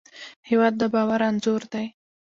هېواد د باور انځور دی.